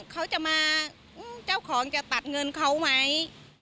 เขาจะมาเจ้าของจะตัดเงินเขาไหม